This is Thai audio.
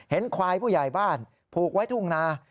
ควายผู้ใหญ่บ้านผูกไว้ทุ่งนา